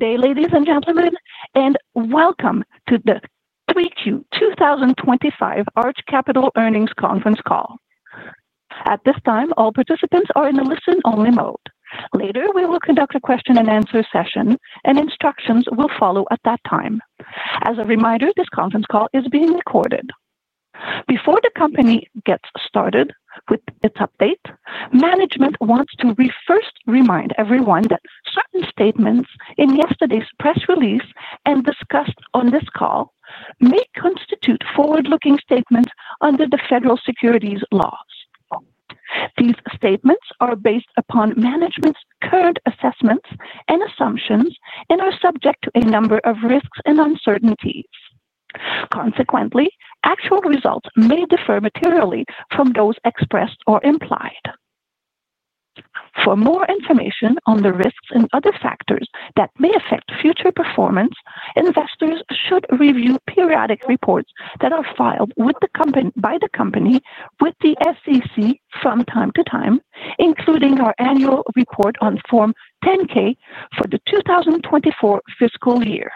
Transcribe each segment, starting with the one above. Good day, ladies and gentlemen, and welcome to the Q3 2025 Arch Capital Earnings Conference Call. At this time, all participants are in a listen-only mode. Later, we will conduct a question and answer session, and instructions will follow at that time. As a reminder, this conference call is being recorded. Before the company gets started with its update, management wants to first remind everyone that certain statements in yesterday's press release and discussed on this call may constitute forward-looking statements under the Federal Securities Laws. These statements are based upon management's current assessments and assumptions and are subject to a number of risks and uncertainties. Consequently, actual results may differ materially from those expressed or implied. For more information on the risks and other factors that may affect future performance, investors should review periodic reports that are filed by the company with the SEC from time to time, including our annual report on Form 10-K for the 2024 fiscal year.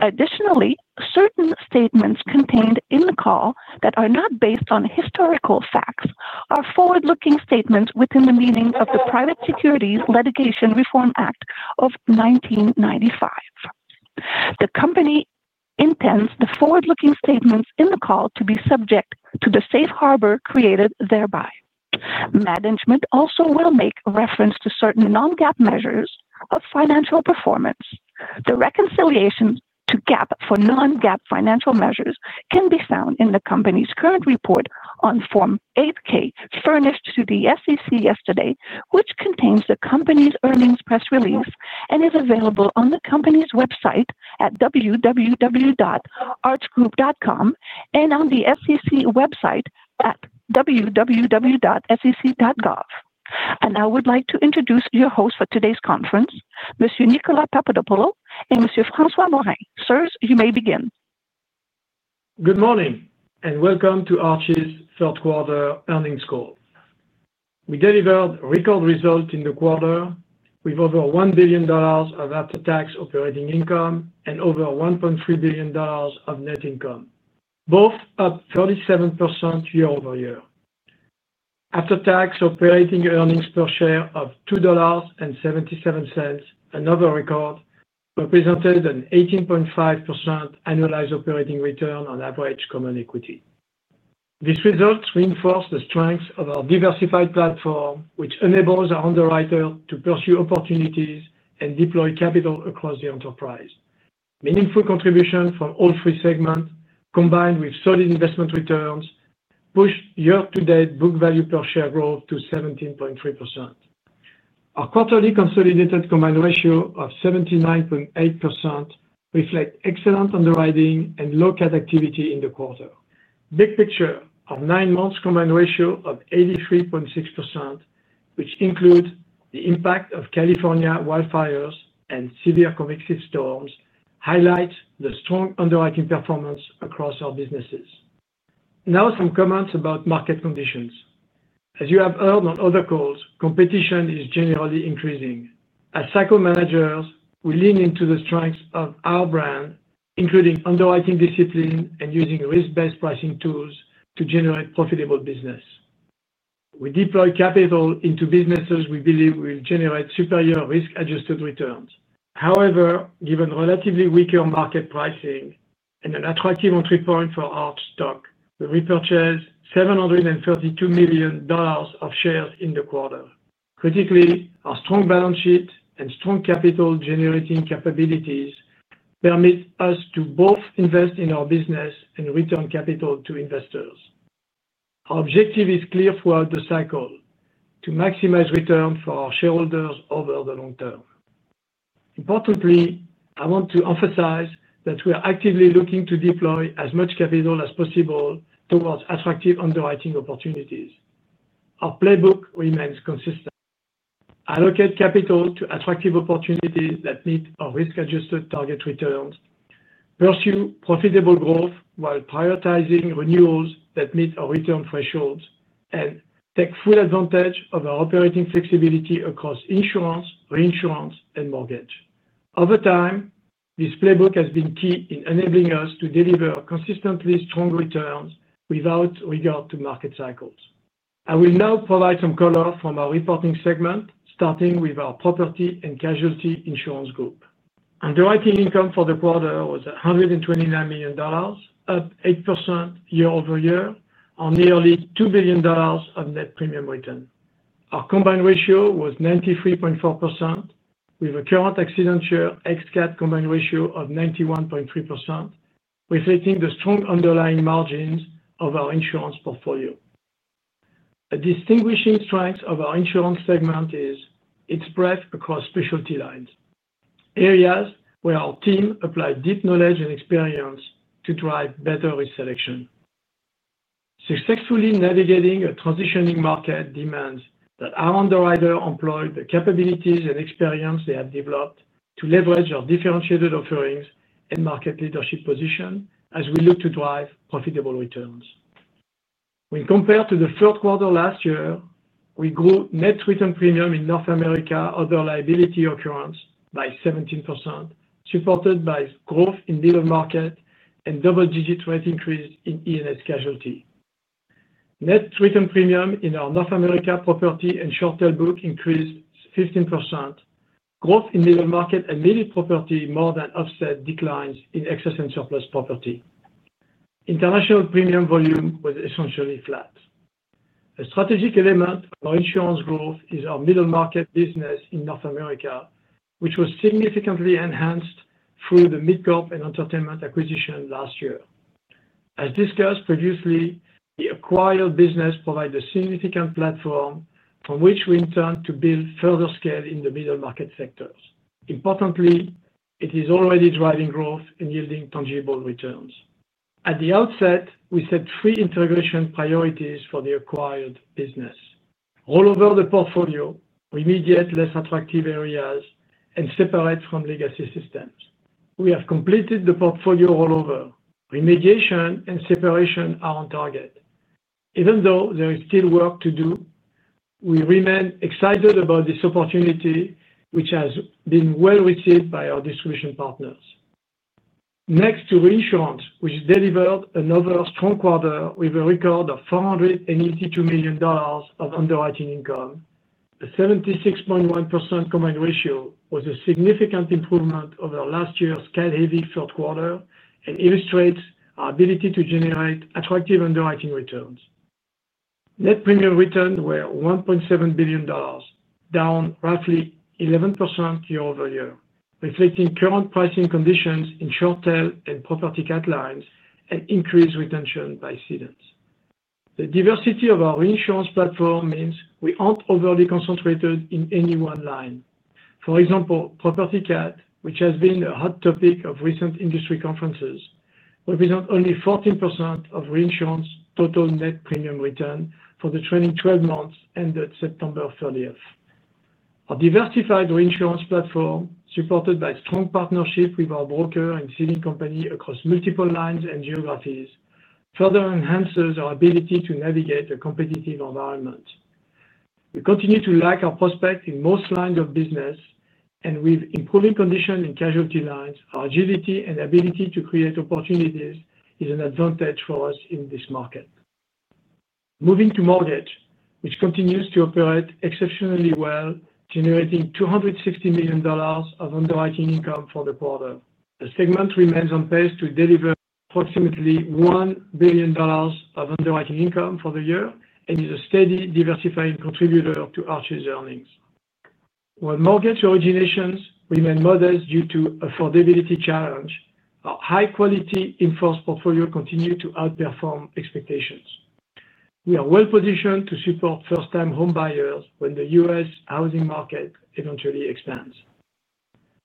Additionally, certain statements contained in the call that are not based on historical facts are forward-looking statements within the meaning of the Private Securities Litigation Reform Act of 1995. The company intends the forward-looking statements in the call to be subject to the safe harbor created thereby. Management also will make reference to certain non-GAAP measures of financial performance. The reconciliation to GAAP for non-GAAP financial measures can be found in the company's current report on Form 8-K furnished to the SEC yesterday, which contains the company's earnings press release and is available on the company's website at www.archgroup.com and on the SEC website at www.sec.gov. I would like to introduce your host for today's conference, Mr. Nicolas Papadopoulo and Mr. Francois Morin. Sirs, you may begin. Good morning and welcome to Arch's third quarter earnings call. We delivered a record result in the quarter with over $1 billion of after-tax operating income and over $1.3 billion of net income, both up 37% year-over-year. After-tax operating earnings per share of $2.77, another record, represented an 18.5% annualized operating return on average common equity. These results reinforce the strength of our diversified platform, which enables our underwriters to pursue opportunities and deploy capital across the enterprise. Meaningful contributions from all three segments, combined with solid investment returns, pushed year-to-date book value per share growth to 17.3%. Our quarterly consolidated combined ratio of 79.8% reflects excellent underwriting and low cat activity in the quarter. Big picture, our nine-month combined ratio of 83.6%, which includes the impact of California wildfires and severe convective storms, highlights the strong underwriting performance across our businesses. Now, some comments about market conditions. As you have heard on other calls, competition is generally increasing. As cycle managers, we lean into the strengths of our brand, including underwriting discipline and using risk-based pricing tools to generate profitable business. We deploy capital into businesses we believe will generate superior risk-adjusted returns. However, given relatively weaker market pricing and an attractive entry point for our stock, we repurchased $732 million of shares in the quarter. Critically, our strong balance sheet and strong capital-generating capabilities permit us to both invest in our business and return capital to investors. Our objective is clear throughout the cycle: to maximize returns for our shareholders over the long term. Importantly, I want to emphasize that we are actively looking to deploy as much capital as possible towards attractive underwriting opportunities. Our playbook remains consistent: allocate capital to attractive opportunities that meet our risk-adjusted target returns, pursue profitable growth while prioritizing renewals that meet our return thresholds, and take full advantage of our operating flexibility across insurance, reinsurance, and mortgage. Over time, this playbook has been key in enabling us to deliver consistently strong returns without regard to market cycles. I will now provide some color from our reporting segment, starting with our property and casualty insurance group. Underwriting income for the quarter was $129 million, up 8% year-over-year, on nearly $2 billion of net premium return. Our combined ratio was 93.4%, with a current excellent share ex-cap combined ratio of 91.3%, reflecting the strong underlying margins of our insurance portfolio. A distinguishing strength of our insurance segment is its breadth across specialty lines, areas where our team applies deep knowledge and experience to drive better risk selection. Successfully navigating a transitioning market demands that our underwriters employ the capabilities and experience they have developed to leverage our differentiated offerings and market leadership position as we look to drive profitable returns. When compared to the third quarter last year, we grew net return premium in North America over liability occurrence by 17%, supported by growth in the middle market and double-digit rate increase in E&S casualty. Net return premium in our North America property and short-tail book increased 15%. Growth in middle market and leading property more than offset declines in excess and surplus property. International premium volume was essentially flat. A strategic element of our insurance growth is our middle market business in North America, which was significantly enhanced through the mid-corp and entertainment acquisition last year. As discussed previously, the acquired business provides a significant platform from which we intend to build further scale in the middle market sectors. Importantly, it is already driving growth and yielding tangible returns. At the outset, we set three integration priorities for the acquired business: rollover the portfolio, remediate less attractive areas, and separate from legacy systems. We have completed the portfolio rollover. Remediation and separation are on target. Even though there is still work to do, we remain excited about this opportunity, which has been well received by our distribution partners. Next to reinsurance, which delivered another strong quarter with a record of $482 million of underwriting income, a 76.1% combined ratio was a significant improvement over last year's scale-heavy third quarter and illustrates our ability to generate attractive underwriting returns. Net premium returns were $1.7 billion, down roughly 11% year-over-year, reflecting current pricing conditions in short-tail and property cat lines and increased retention by cedents. The diversity of our reinsurance platform means we aren't overly concentrated in any one line. For example, property cat, which has been a hot topic of recent industry conferences, represents only 14% of reinsurance total net written premium for the trailing 12 months ended September 30th. Our diversified reinsurance platform, supported by a strong partnership with our broker and cedent company across multiple lines and geographies, further enhances our ability to navigate a competitive environment. We continue to like our prospects in most lines of business, and with improving conditions in casualty lines, our agility and ability to create opportunities is an advantage for us in this market. Moving to mortgage, which continues to operate exceptionally well, generating $260 million of underwriting income for the quarter. The segment remains on pace to deliver approximately $1 billion of underwriting income for the year and is a steady diversifying contributor to Arch's earnings. While mortgage originations remain modest due to affordability challenges, our high-quality in-force portfolio continues to outperform expectations. We are well positioned to support first-time home buyers when the U.S. housing market eventually expands.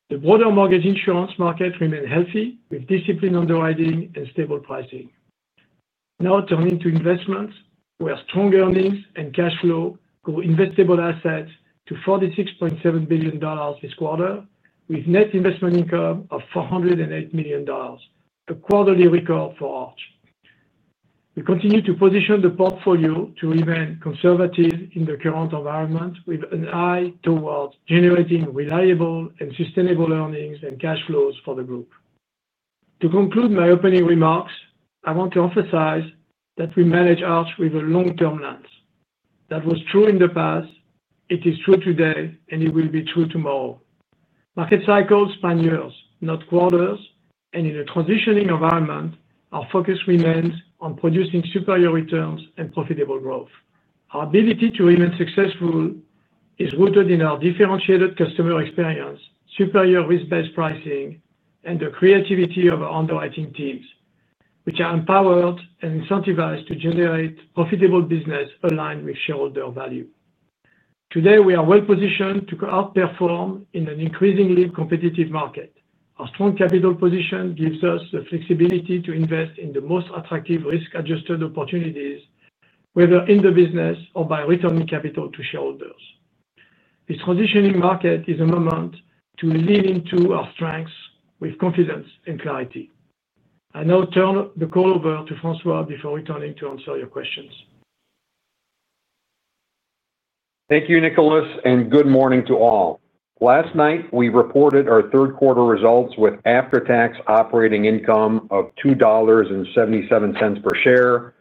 The broader mortgage insurance market remains healthy, with disciplined underwriting and stable pricing. Now turning to investments, where strong earnings and cash flow grew investable assets to $46.7 billion this quarter, with net investment income of $408 million, a quarterly record for Arch. We continue to position the portfolio to remain conservative in the current environment, with an eye towards generating reliable and sustainable earnings and cash flows for the group. To conclude my opening remarks, I want to emphasize that we manage Arch with a long-term lens. That was true in the past, it is true today, and it will be true tomorrow. Market cycles span years, not quarters, and in a transitioning environment, our focus remains on producing superior returns and profitable growth. Our ability to remain successful is rooted in our differentiated customer experience, superior risk-based pricing, and the creativity of our underwriting teams, which are empowered and incentivized to generate profitable business aligned with shareholder value. Today, we are well positioned to outperform in an increasingly competitive market. Our strong capital position gives us the flexibility to invest in the most attractive risk-adjusted opportunities, whether in the business or by returning capital to shareholders. This transitioning market is a moment to lean into our strengths with confidence and clarity. I now turn the call over to Francois before returning to answer your questions. Thank you, Nicolas, and good morning to all. Last night, we reported our third quarter results with after-tax operating income of $2.77 per share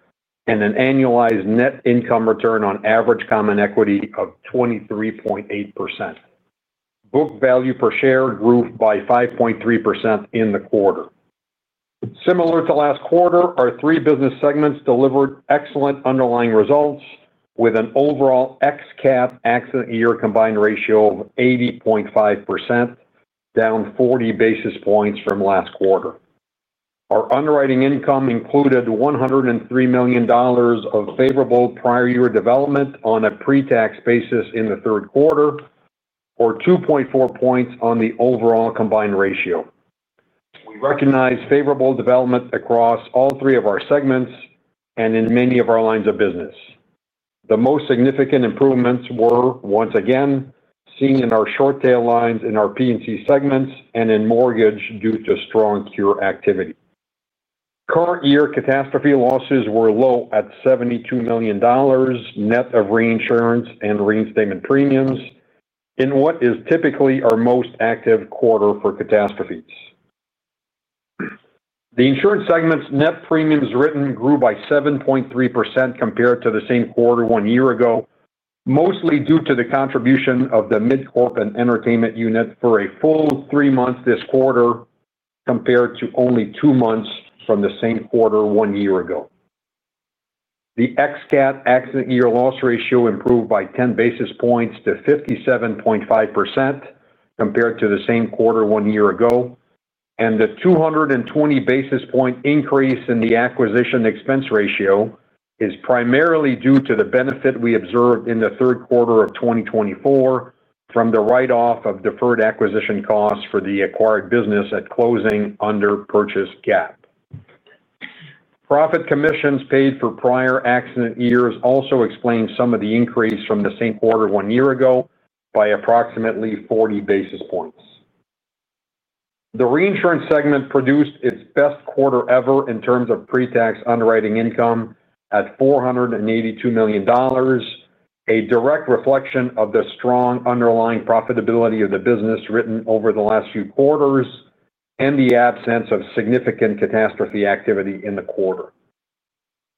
and an annualized net income return on average common equity of 23.8%. Book value per share grew by 5.3% in the quarter. Similar to last quarter, our three business segments delivered excellent underlying results with an overall ex-cap accident year combined ratio of 80.5%, down 40 basis points from last quarter. Our underwriting income included $103 million of favorable prior year development on a pre-tax basis in the third quarter, or 2.4 points on the overall combined ratio. We recognize favorable development across all three of our segments and in many of our lines of business. The most significant improvements were, once again, seen in our short-tail lines in our P&C segments and in mortgage due to strong cure activity. Current year catastrophe losses were low at $72 million net of reinsurance and reinstatement premiums in what is typically our most active quarter for catastrophes. The insurance segment's net premiums written grew by 7.3% compared to the same quarter one year ago, mostly due to the contribution of the mid-corp and entertainment unit for a full three months this quarter compared to only two months from the same quarter one year ago. The ex-cap accident year loss ratio improved by 10 basis points to 57.5% compared to the same quarter one year ago, and the 220 basis point increase in the acquisition expense ratio is primarily due to the benefit we observed in the third quarter of 2024 from the write-off of deferred acquisition costs for the acquired business at closing under purchase GAAP. Profit commissions paid for prior accident years also explain some of the increase from the same quarter one year ago by approximately 40 basis points. The reinsurance segment produced its best quarter ever in terms of pre-tax underwriting income at $482 million, a direct reflection of the strong underlying profitability of the business written over the last few quarters and the absence of significant catastrophe activity in the quarter.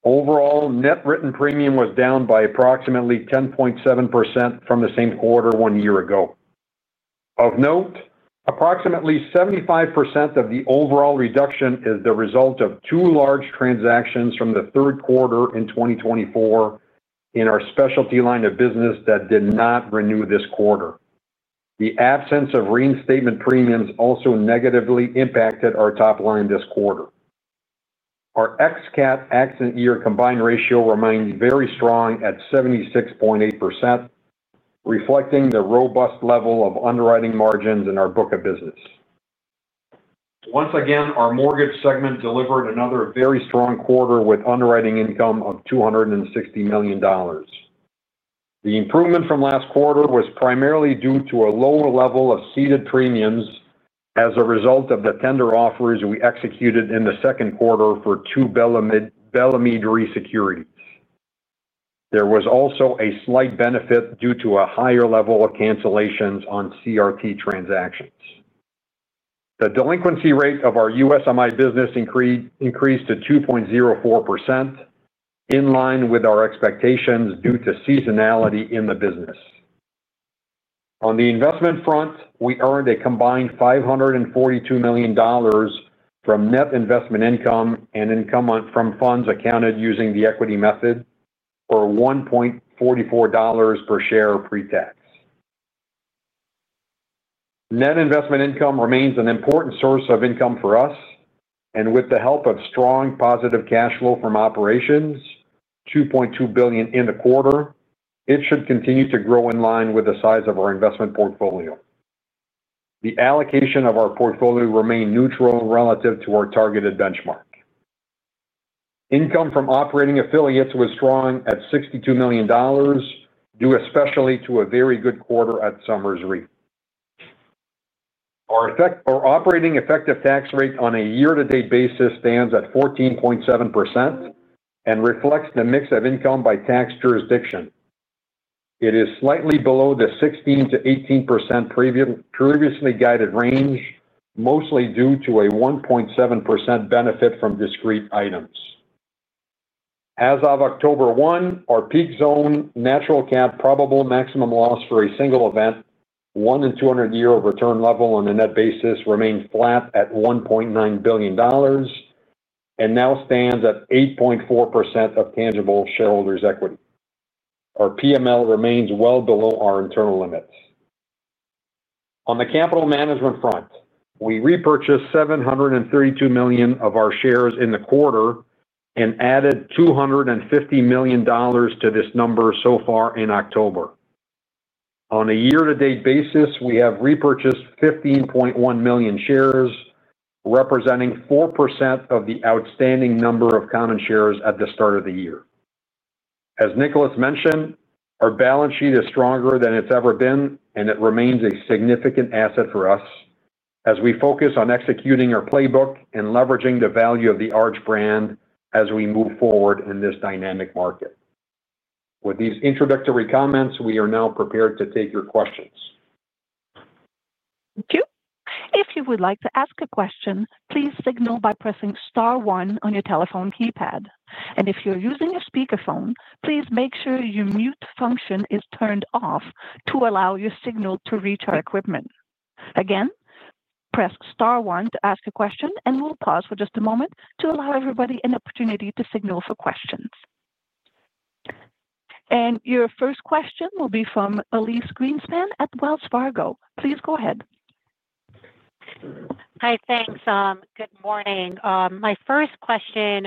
Overall, net written premium was down by approximately 10.7% from the same quarter one year ago. Of note, approximately 75% of the overall reduction is the result of two large transactions from the third quarter in 2024 in our specialty line of business that did not renew this quarter. The absence of reinstatement premiums also negatively impacted our top line this quarter. Our ex-cat accident year combined ratio remains very strong at 76.8%, reflecting the robust level of underwriting margins in our book of business. Once again, our mortgage segment delivered another very strong quarter with underwriting income of $260 million. The improvement from last quarter was primarily due to a lower level of ceded premiums as a result of the tender offers we executed in the second quarter for two Bellemeade Re securities. There was also a slight benefit due to a higher level of cancellations on CRT transactions. The delinquency rate of our USMI business increased to 2.04%, in line with our expectations due to seasonality in the business. On the investment front, we earned a combined $542 million from net investment income and income from funds accounted using the equity method, or $1.44 per share pre-tax. Net investment income remains an important source of income for us, and with the help of strong positive cash flow from operations, $2.2 billion in the quarter, it should continue to grow in line with the size of our investment portfolio. The allocation of our portfolio remains neutral relative to our targeted benchmark. Income from operating affiliates was strong at $62 million, due especially to a very good quarter at Somers Re. Our operating effective tax rate on a year-to-date basis stands at 14.7% and reflects the mix of income by tax jurisdiction. It is slightly below the 16%-18% previously guided range, mostly due to a 1.7% benefit from discrete items. As of October 1, our peak zone natural cat probable maximum loss for a single event, one in 200-year return level on a net basis remains flat at $1.9 billion and now stands at 8.4% of tangible shareholders' equity. Our PML remains well below our internal limits. On the capital management front, we repurchased $732 million of our shares in the quarter and added $250 million to this number so far in October. On a year-to-date basis, we have repurchased 15.1 million shares, representing 4% of the outstanding number of common shares at the start of the year. As Nicolas mentioned, our balance sheet is stronger than it's ever been, and it remains a significant asset for us as we focus on executing our playbook and leveraging the value of the Arch brand as we move forward in this dynamic market. With these introductory comments, we are now prepared to take your questions. Thank you. If you would like to ask a question, please signal by pressing star one on your telephone keypad. If you're using a speakerphone, please make sure your mute function is turned off to allow your signal to reach our equipment. Again, press star one to ask a question. We'll pause for just a moment to allow everybody an opportunity to signal for questions. Your first question will be from Elyse Greenspan at Wells Fargo. Please go ahead. Hi, thanks. Good morning. My first question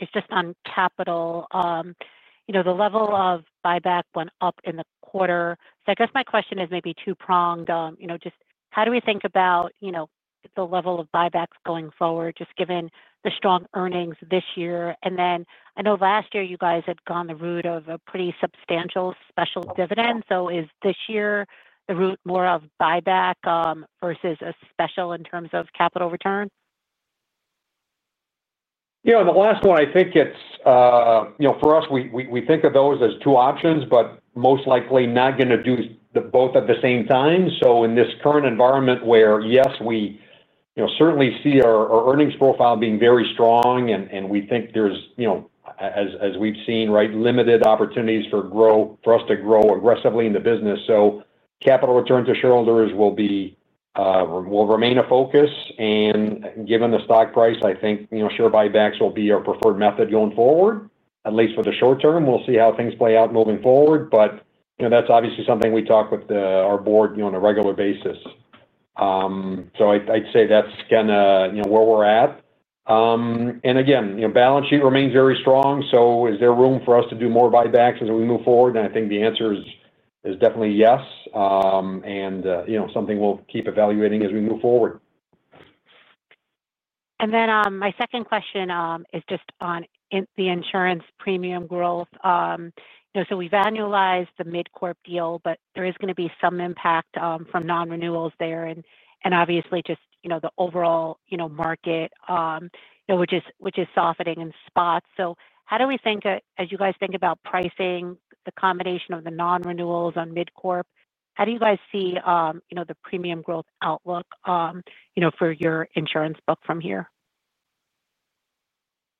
is just on capital. The level of buyback went up in the quarter. I guess my question is maybe two-pronged. How do we think about the level of buybacks going forward, just given the strong earnings this year? I know last year you guys had gone the route of a pretty substantial special dividend. Is this year the route more of buyback versus a special in terms of capital return? Yeah, the last one, I think it's, you know, for us, we think of those as two options, but most likely not going to do both at the same time. In this current environment where, yes, we certainly see our earnings profile being very strong and we think there's, you know, as we've seen, right, limited opportunities for growth, for us to grow aggressively in the business. Capital return to shareholders will remain a focus. Given the stock price, I think, you know, share buybacks will be our preferred method going forward, at least for the short term. We'll see how things play out moving forward. That's obviously something we talk with our board, you know, on a regular basis. I'd say that's kind of, you know, where we're at. Again, you know, balance sheet remains very strong. Is there room for us to do more buybacks as we move forward? I think the answer is definitely yes, and, you know, something we'll keep evaluating as we move forward. My second question is just on the insurance premium growth. We've annualized the mid-corp deal, but there is going to be some impact from non-renewals there. Obviously, the overall market, which is softening in spots. How do we think, as you guys think about pricing, the combination of the non-renewals on mid-corp, how do you guys see the premium growth outlook for your insurance book from here?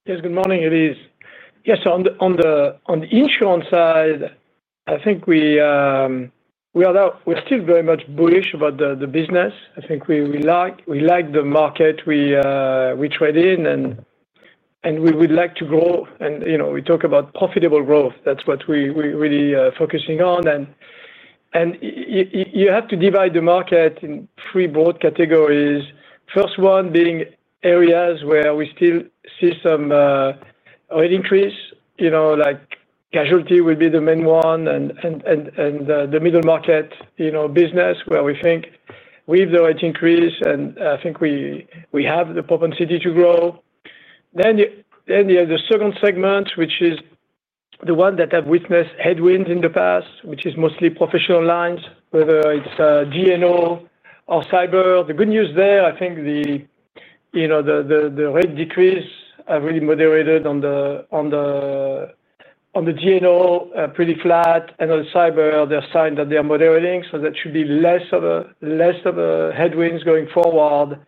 Yes, good morning. On the insurance side, I think we are now, we're still very much bullish about the business. I think we like the market we trade in and we would like to grow. You know, we talk about profitable growth. That's what we're really focusing on. You have to divide the market in three broad categories. First one being areas where we still see some rate increase, you know, like casualty would be the main one. The middle market, you know, business where we think we have the rate increase and I think we have the propensity to grow. You have the second segment, which is the one that I've witnessed headwinds in the past, which is mostly professional lines, whether it's GNO or cyber. The good news there, I think the rate decrease has really moderated on the GNO, pretty flat. On cyber, there are signs that they are moderating. That should be less of a headwind going forward.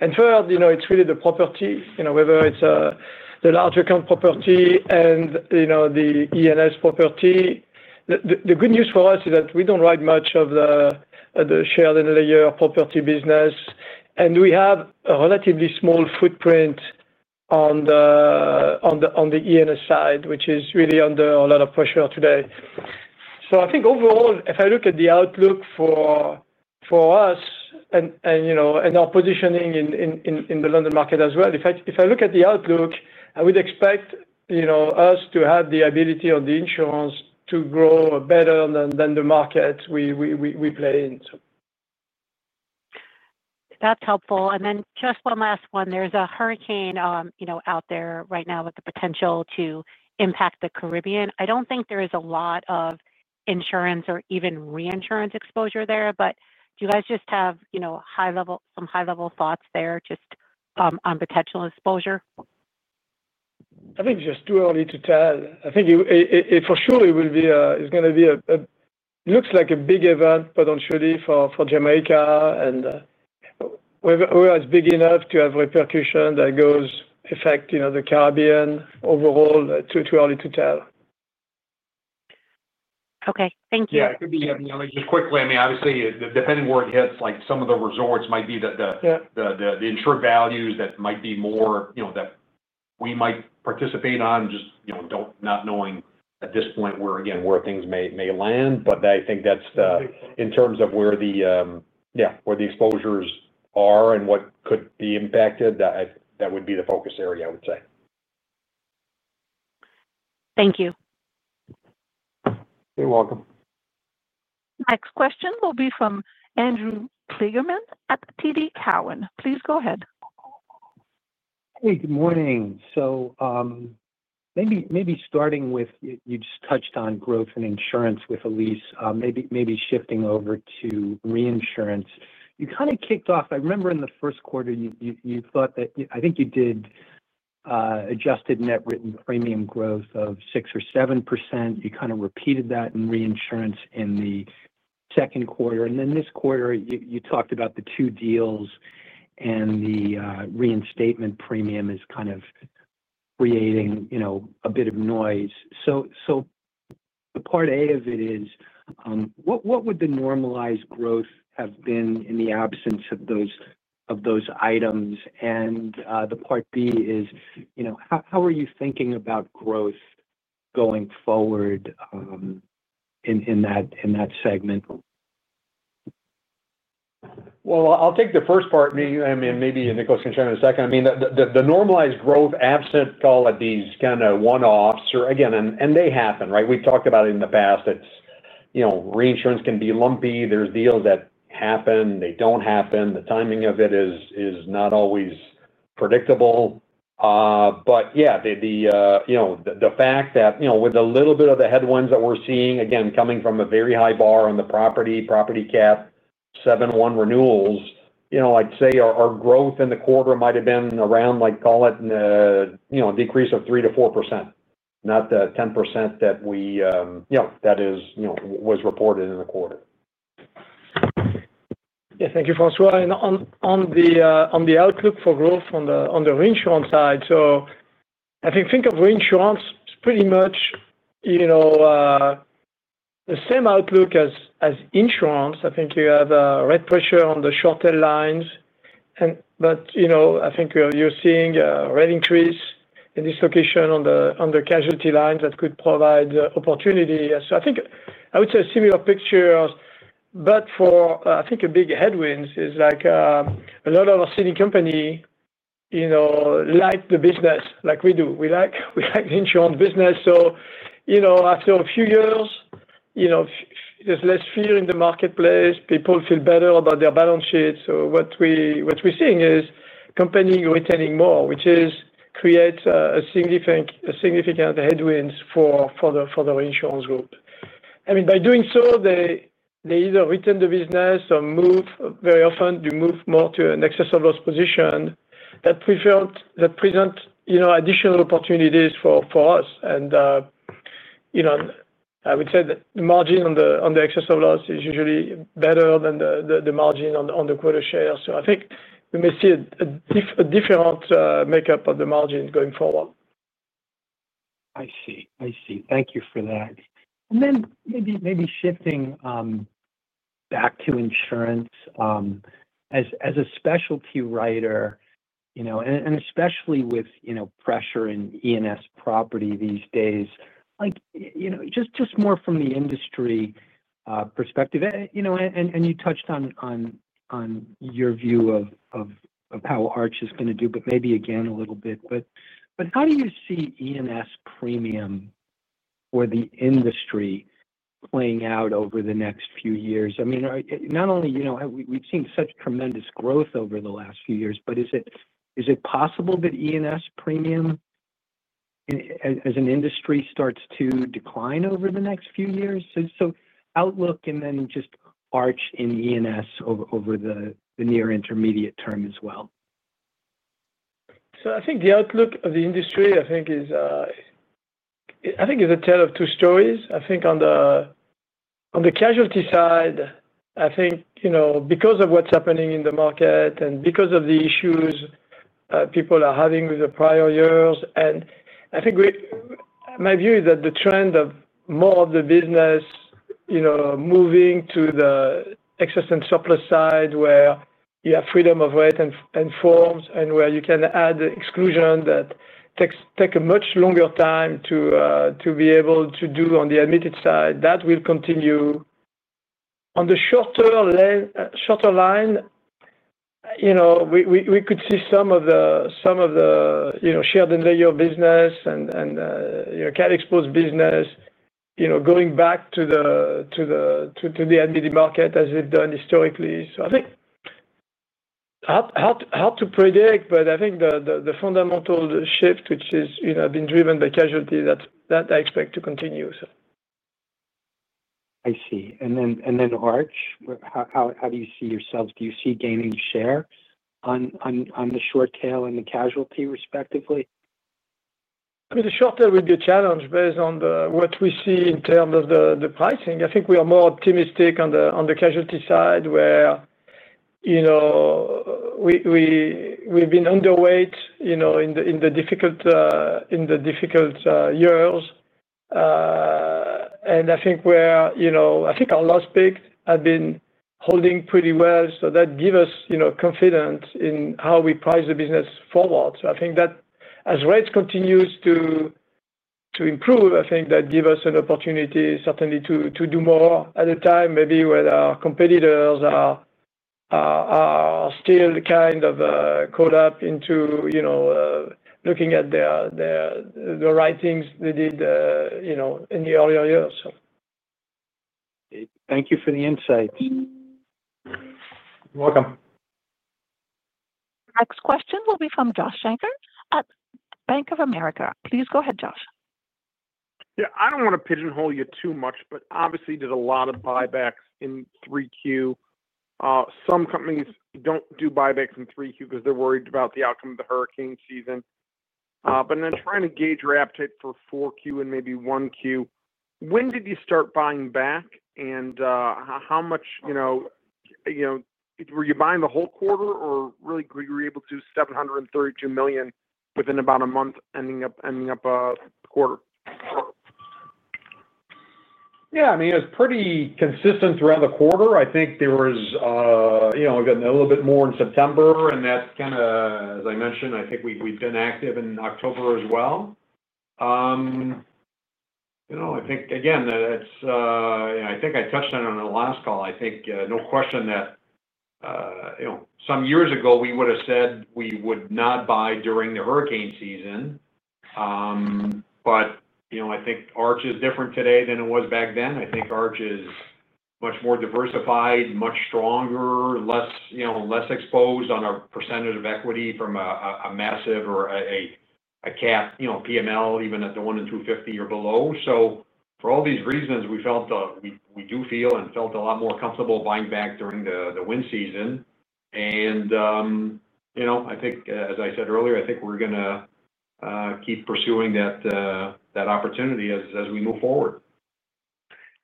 Third, it's really the property, whether it's the large account property and the E&S property. The good news for us is that we don't write much of the shared and layer property business. We have a relatively small footprint on the E&S side, which is really under a lot of pressure today. I think overall, if I look at the outlook for us and our positioning in the London market as well, if I look at the outlook, I would expect us to have the ability on the insurance to grow better than the market we play in. That's helpful. Just one last one. There's a hurricane out there right now with the potential to impact the Caribbean. I don't think there is a lot of insurance or even reinsurance exposure there, but do you guys just have some high-level thoughts there just on potential exposure? I think it's just too early to tell. I think it for sure will be, it's going to be a, it looks like a big event potentially for Jamaica. If it's big enough to have repercussions, that could affect the Caribbean overall. Too early to tell. Okay, thank you. Yeah, I could be just quickly. Obviously, depending where it hits, like some of the resorts might be that the insured values that might be more, you know, that we might participate on just, you know, not knowing at this point where, again, where things may land. I think that's the, in terms of where the, yeah, where the exposures are and what could be impacted, that would be the focus area, I would say. Thank you. You're welcome. Next question will be from Andrew Kligerman at TD Cowen. Please go ahead. Good morning. Maybe starting with, you just touched on growth in insurance with Elyse, maybe shifting over to reinsurance. You kind of kicked off, I remember in the first quarter, you thought that, I think, you did adjusted net written premium growth of 6% or 7%. You kind of repeated that in reinsurance in the second quarter. This quarter, you talked about the two deals and the reinstatement premium is kind of creating a bit of noise. The part A of it is, what would the normalized growth have been in the absence of those items? The part B is, how are you thinking about growth going forward in that segment? I'll take the first part. Maybe Nicolas can share in a second. The normalized growth absent all of these kind of one-offs, or again, they happen, right? We've talked about it in the past. It's, you know, reinsurance can be lumpy. There's deals that happen. They don't happen. The timing of it is not always predictable. The fact that, you know, with a little bit of the headwinds that we're seeing, again, coming from a very high bar on the property, property cat, 7/1 renewals, I'd say our growth in the quarter might have been around, like, call it, you know, a decrease of 3%-4%, not the 10% that was reported in the quarter. Yeah, thank you, Francois. On the outlook for growth on the reinsurance side, I think of reinsurance, it's pretty much the same outlook as insurance. I think you have a rate pressure on the short-tail lines, but I think you're seeing a rate increase in this location on the casualty lines that could provide opportunity. I would say a similar picture. A big headwind is a lot of our seeding companies, like the business we do. We like the insurance business. After a few years, there's less fear in the marketplace. People feel better about their balance sheet. What we're seeing is companies retaining more, which creates a significant headwind for the reinsurance group. By doing so, they either retain the business or very often move more to an excess of loss position that presents additional opportunities for us. I would say that the margin on the excess of loss is usually better than the margin on the quota share. I think we may see a different makeup of the margin going forward. Thank you for that. Maybe shifting back to insurance. As a specialty writer, especially with pressure in E&S property these days, just more from the industry perspective, you touched on your view of how Arch is going to do, but maybe again a little bit. How do you see E&S premium for the industry playing out over the next few years? Not only have we seen such tremendous growth over the last few years, but is it possible that E&S premium as an industry starts to decline over the next few years? Outlook and then just Arch in E&S over the near intermediate term as well. I think the outlook of the industry is a tale of two stories. On the casualty side, because of what's happening in the market and because of the issues people are having with the prior years, my view is that the trend of more of the business moving to the excess and surplus side, where you have freedom of rate and forms and where you can add exclusion that takes a much longer time to be able to do on the admitted side, will continue. On the shorter line, we could see some of the shared and layer business and cat exposed business going back to the admitted market as they've done historically. It is hard to predict, but I think the fundamental shift, which is being driven by casualty, I expect to continue. I see. How do you see yourself? Do you see gaining share on the short tail and the casualty respectively? I mean, the short tail would be a challenge based on what we see in terms of the pricing. I think we are more optimistic on the casualty side where we've been underweight in the difficult years. I think our last pick has been holding pretty well. That gives us confidence in how we price the business forward. I think that as rates continue to improve, that gives us an opportunity certainly to do more at a time, maybe when our competitors are still kind of caught up into looking at the right things they did in the earlier years. Thank you for the insights. You're welcome. Next question will be from Josh Shanker at Bank of America. Please go ahead, Josh. Yeah, I don't want to pigeonhole you too much, but obviously did a lot of buybacks in 3Q. Some companies don't do buybacks in 3Q because they're worried about the outcome of the hurricane season. Trying to gauge your appetite for 4Q and maybe 1Q, when did you start buying back and how much were you buying the whole quarter or were you able to do $732 million within about a month ending up a quarter? Yeah, I mean, it was pretty consistent throughout the quarter. I think there was, you know, we've gotten a little bit more in September. That's kind of, as I mentioned, I think we've been active in October as well. I think, again, it's, you know, I think I touched on it on the last call. No question that, you know, some years ago we would have said we would not buy during the hurricane season. I think Arch is different today than it was back then. I think Arch is much more diversified, much stronger, less exposed on a percentage of equity from a massive or a cap, you know, PML even at the 1 in 250 or below. For all these reasons, we felt, we do feel and felt a lot more comfortable buying back during the wind season. I think, as I said earlier, I think we're going to keep pursuing that opportunity as we move forward.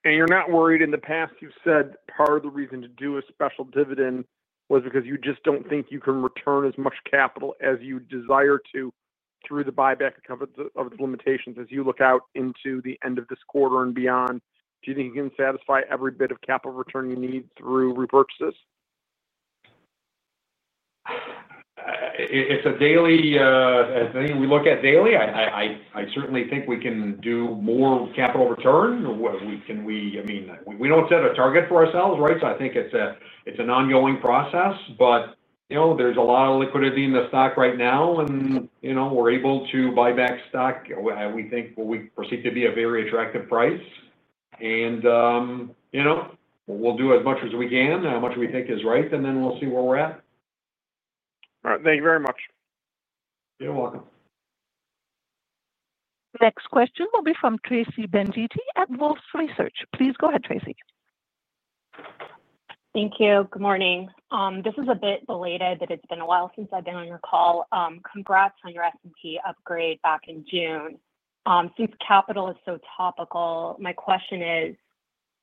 You're not worried. In the past, you've said part of the reason to do a special dividend was because you just don't think you can return as much capital as you desire to through the buyback due to the limitations. As you look out into the end of this quarter and beyond, do you think you can satisfy every bit of capital return you need through repurchases? I think we look at it daily. I certainly think we can do more capital return. We don't set a target for ourselves, right? I think it's an ongoing process. There's a lot of liquidity in the stock right now, and we're able to buy back stock. We think what we perceive to be a very attractive price, and we'll do as much as we can, how much we think is right. Then we'll see where we're at. All right, thank you very much. You're welcome. Next question will be from Tracy Benguigui at Wolfe Research. Please go ahead, Tracy. Thank you. Good morning. This is a bit belated, but it's been a while since I've been on your call. Congrats on your S&P upgrade back in June. Since capital is so topical, my question is,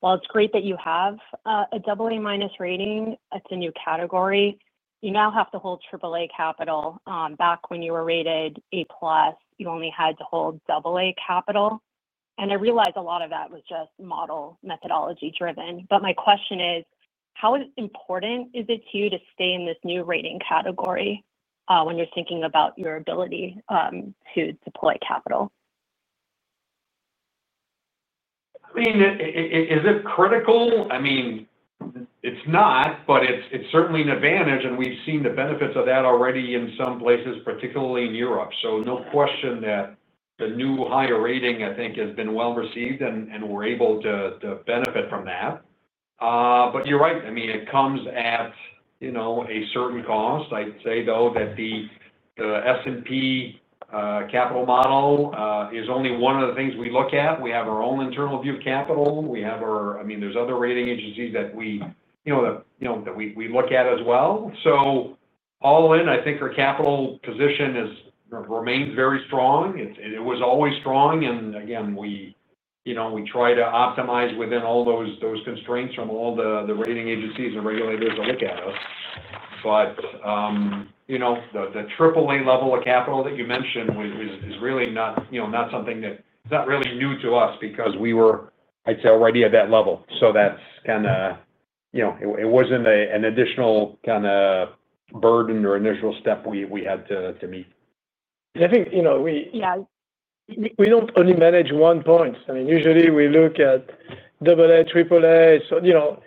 while it's great that you have a AA- rating, it's a new category. You now have to hold AAA capital. Back when you were rated A+, you only had to hold AA capital. I realize a lot of that was just model methodology driven. My question is, how important is it to you to stay in this new rating category when you're thinking about your ability to deploy capital? Is it critical? It's not, but it's certainly an advantage. We've seen the benefits of that already in some places, particularly in Europe. No question that the new higher rating has been well received and we're able to benefit from that. You're right, it comes at a certain cost. I'd say, though, that the S&P capital model is only one of the things we look at. We have our own internal view of capital. There are other rating agencies that we look at as well. All in, I think our capital position remains very strong. It was always strong. We try to optimize within all those constraints from all the rating agencies and regulators that look at us. The AAA level of capital that you mentioned is really not something that is new to us because we were already at that level. It wasn't an additional burden or initial step we had to meet. Yeah, I think, you know, we don't only manage one point. I mean, usually, we look at AA, AAA. You know,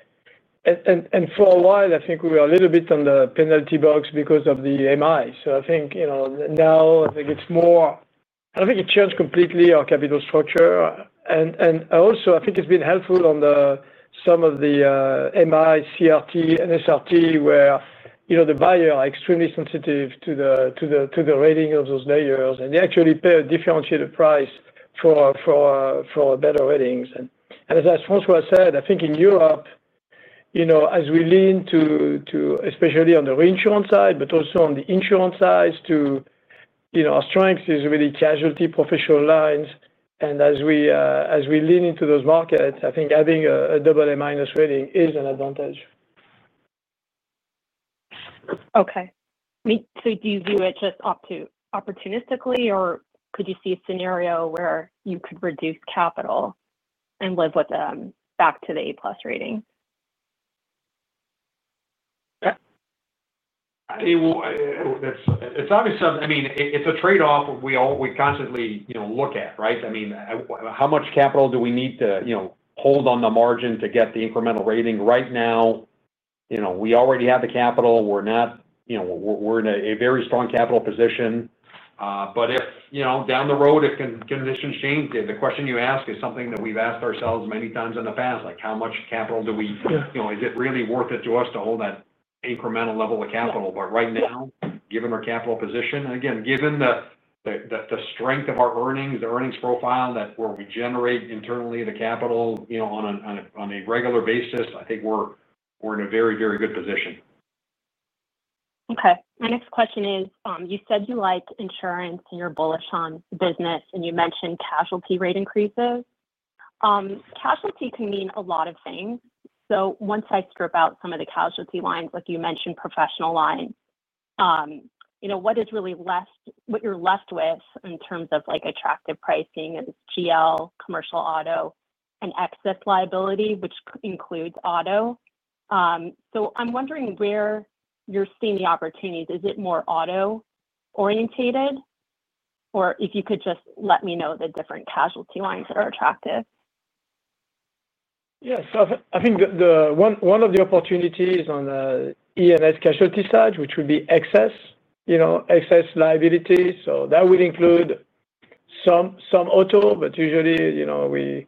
for a while, I think we were a little bit in the penalty box because of the MI. I think now it's more, I don't think it changed completely our capital structure. Also, I think it's been helpful on some of the MI, CRT, and SRT where the buyers are extremely sensitive to the rating of those layers. They actually pay a differentiated price for better ratings. As I said, I think in Europe, as we lean to, especially on the reinsurance side, but also on the insurance side, our strength is really casualty professional lines. As we lean into those markets, I think having a AA- rating is an advantage. Okay. I mean, do you view it just opportunistically, or could you see a scenario where you could reduce capital and live with them back to the A+ rating? It's obviously something, I mean, it's a trade-off we all constantly look at, right? I mean, how much capital do we need to hold on the margin to get the incremental rating? Right now, we already have the capital. We're not, you know, we're in a very strong capital position. If, down the road, conditions change, the question you ask is something that we've asked ourselves many times in the past. How much capital do we, you know, is it really worth it to us to hold that incremental level of capital? Right now, given our capital position, and again, given the strength of our earnings, the earnings profile where we generate internally the capital on a regular basis, I think we're in a very, very good position. Okay. My next question is, you said you liked insurance and you're bullish on business, and you mentioned casualty rate increases. Casualty can mean a lot of things. Once I strip out some of the casualty lines, like you mentioned professional lines, what is really left, what you're left with in terms of attractive pricing is GL, commercial auto, and excess liability, which includes auto. I'm wondering where you're seeing the opportunities. Is it more auto-oriented? If you could just let me know the different casualty lines that are attractive? I think one of the opportunities on the E&S casualty side, which would be excess, you know, excess liability, would include some auto, but usually, you know, we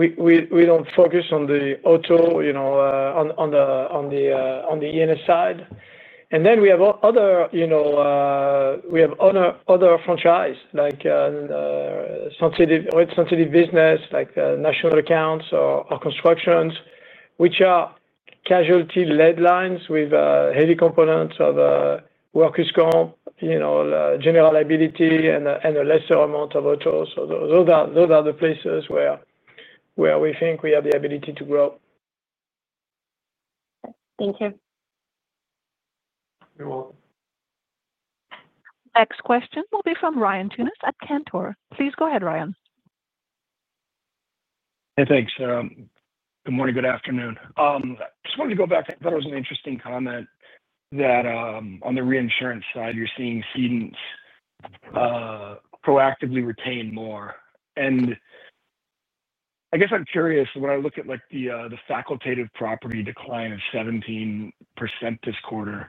don't focus on the auto on the E&S side. We have other franchise, like sensitive business, like national accounts or constructions, which are casualty-led lines with heavy components of workers' comp, general liability, and a lesser amount of auto. Those are the places where we think we have the ability to grow. Thank you. You're welcome. Next question will be from Ryan Tunis at Cantor. Please go ahead, Ryan. Hey, thanks. Good morning, good afternoon. I just wanted to go back. I thought it was an interesting comment that on the reinsurance side, you're seeing cedents proactively retain more. I guess I'm curious, when I look at like the facultative property decline of 17% this quarter,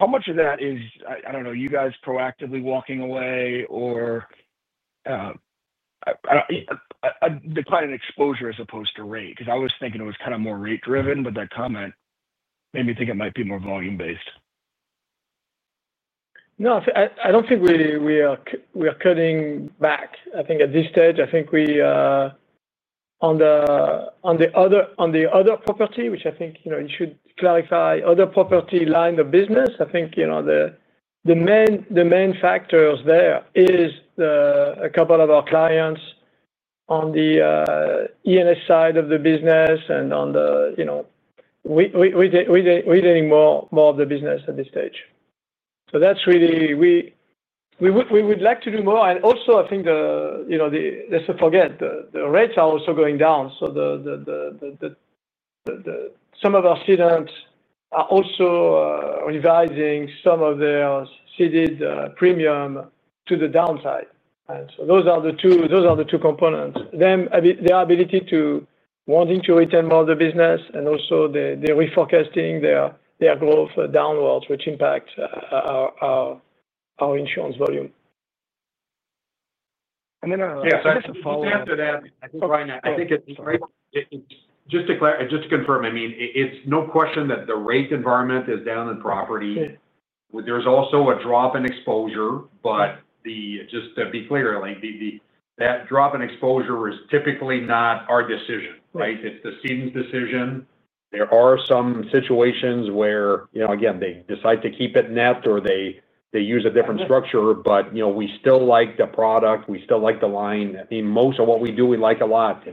how much of that is, I don't know, you guys proactively walking away or a decline in exposure as opposed to rate? I was thinking it was kind of more rate-driven, but that comment made me think it might be more volume-based. No, I don't think we are cutting back. I think at this stage, we are on the other property, which, you know, you should clarify other property line of business. The main factors there is a couple of our clients on the E&S side of the business retaining more of the business at this stage. That's really, we would like to do more. Also, let's not forget the rates are also going down. Some of our cedents are also revising some of their ceded premium to the downside. Those are the two components: their ability to want to retain more of the business and also they're reforecasting their growth downwards, which impacts our insurance volume. To follow up after that, I think Ryan, I think it's great just to confirm, I mean, it's no question that the rate environment is down in property. There's also a drop in exposure, but just to be clear, that drop in exposure is typically not our decision, right? It's the cedent's decision. There are some situations where they decide to keep it net or they use a different structure, but we still like the product. We still like the line. I think most of what we do, we like a lot.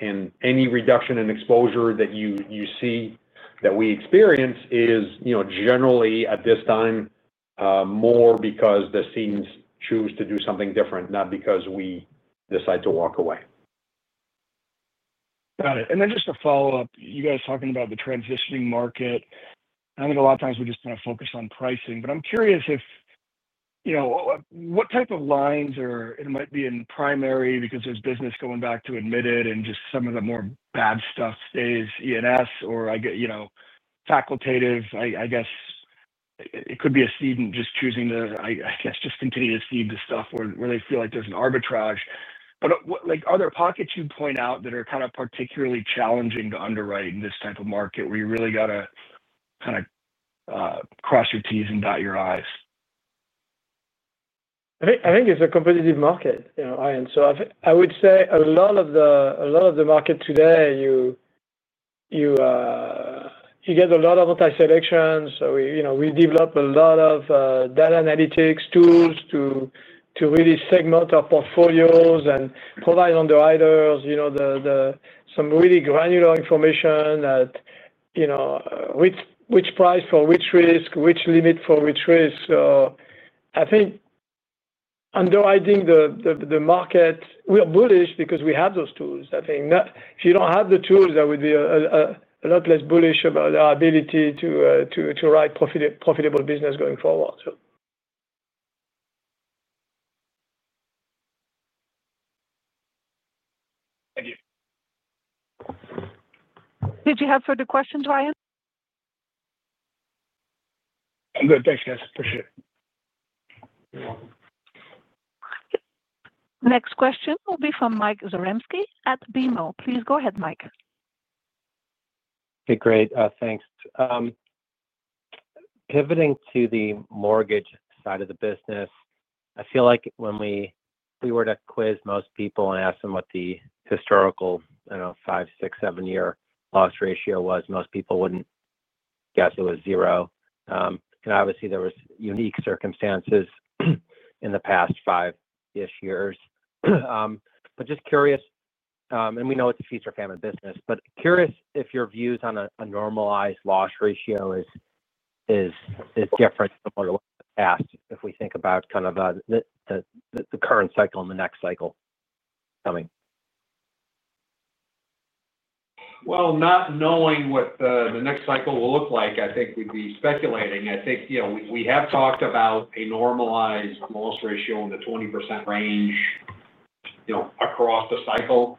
Any reduction in exposure that you see that we experience is generally at this time more because the cedents choose to do something different, not because we decide to walk away. Got it. Just to follow up, you guys talking about the transitioning market. I think a lot of times we just kind of focus on pricing, but I'm curious if, you know, what type of lines are, and it might be in primary because there's business going back to admitted and just some of the more bad stuff stays E&S or I get, you know, facultative. I guess it could be a cedent just choosing to, I guess, just continue to cede the stuff where they feel like there's an arbitrage. What, like, are there pockets you point out that are kind of particularly challenging to underwrite in this type of market where you really got to kind of cross your Ts and dot your Is? I think it's a competitive market, you know, Ryan. I would say a lot of the market today, you get a lot of anti-selections. We develop a lot of data analytics tools to really segment our portfolios and provide underwriters some really granular information that, you know, which price for which risk, which limit for which risk. I think underwriting the market, we are bullish because we have those tools. I think if you don't have the tools, I would be a lot less bullish about our ability to write profitable business going forward. Thank you. Did you have further questions, Ryan? I'm good. Thanks, guys. Appreciate it. Next question will be from Mike Zaremski at BMO. Please go ahead, Mike. Okay, great. Thanks. Pivoting to the mortgage side of the business, I feel like if we were to quiz most people and ask them what the historical, I don't know, five, six, seven-year loss ratio was, most people wouldn't guess it was zero. Obviously, there were unique circumstances in the past five-ish years. Just curious, and we know it's a feature family business, but curious if your views on a normalized loss ratio is different than what it was in the past if we think about the current cycle and the next cycle coming. Not knowing what the next cycle will look like, I think we'd be speculating. I think we have talked about a normalized loss ratio in the 20% range across the cycle.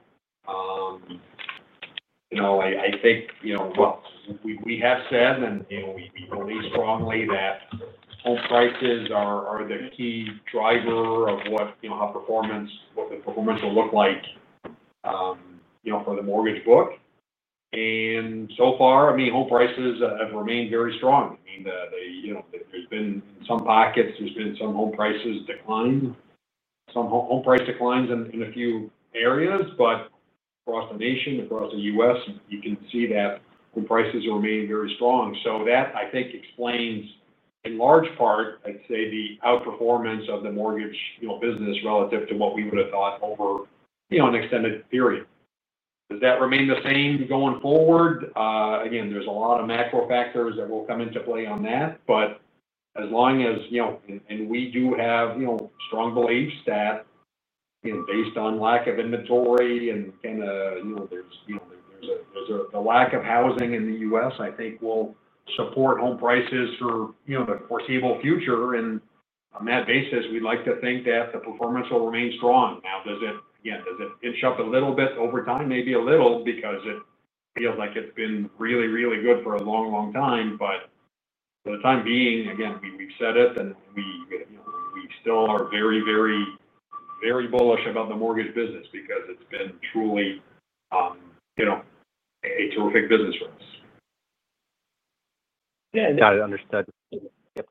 I think what we have said, and we believe strongly, is that home prices are the key driver of what performance will look like for the mortgage book. So far, home prices have remained very strong. There have been, in some pockets, some home price declines in a few areas, but across the nation, across the U.S., you can see that home prices are remaining very strong. That, I think, explains in large part the outperformance of the mortgage business relative to what we would have thought over an extended period. Does that remain the same going forward? There are a lot of macro factors that will come into play on that. As long as, and we do have strong beliefs that, based on lack of inventory and kind of a lack of housing in the U.S., I think that will support home prices for the foreseeable future. On that basis, we'd like to think that the performance will remain strong. Now, does it inch up a little bit over time? Maybe a little because it feels like it's been really, really good for a long, long time. For the time being, we've said it, and we still are very, very, very bullish about the mortgage business because it's been truly a terrific business for us. Yeah, I understood.